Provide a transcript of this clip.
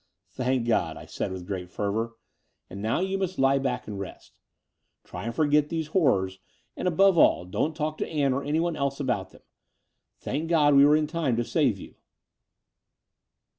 ''Thank God," I said with great fervour: ''and now you must lie back and rest. Try and forget those horrors ; and, above all, don't talk to Ann or any one else about them. Thank God we were in time to save you."